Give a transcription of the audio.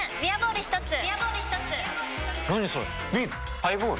ハイボール？